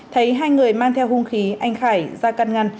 thấy hai người mang theo hung khí anh khải ra căn ngăn